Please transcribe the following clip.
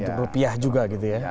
dalam bentuk rupiah juga gitu ya